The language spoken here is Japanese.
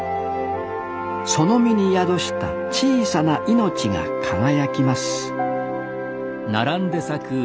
その身に宿した小さな命が輝きます